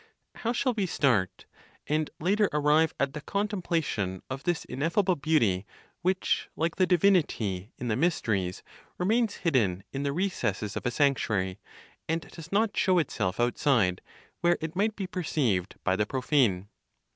How shall we start, and later arrive at the contemplation of this ineffable beauty which, like the divinity in the mysteries, remains hidden in the recesses of a sanctuary, and does not show itself outside, where it might be perceived by the profane?